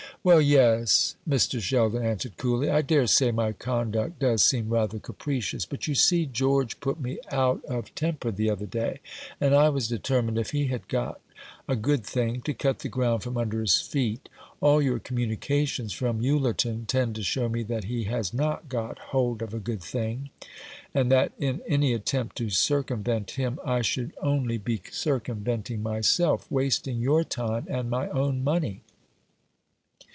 "Well, yes," Mr. Sheldon answered coolly. "I dare say my conduct does seem rather capricious; but you see George put me out of temper the other day, and I was determined, if he had got a good thing, to cut the ground from under his feet. All your communications from Ullerton tend to show me that he has not got hold of a good thing, and that in any attempt to circumvent him I should only be circumventing myself, wasting your time, and my own money.